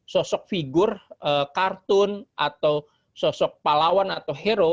sosok figur kartun atau sosok pahlawan atau hero